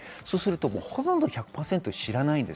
ほとんど１００％知らないです。